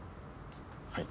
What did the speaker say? はい。